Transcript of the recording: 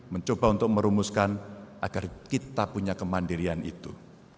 mencoba untuk merumuskan agar kita punya kemandirian itu